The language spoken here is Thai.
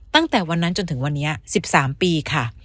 ตั้งแต่วันนั้นจนถึงวันนี้๑๓ปีค่ะ